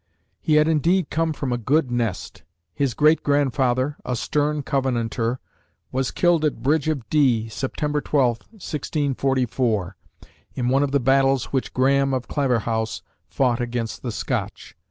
He had indeed come from a good nest. His great grandfather, a stern Covenanter, was killed at Bridge of Dee, September 12, 1644, in one of the battles which Graham of Claverhouse fought against the Scotch.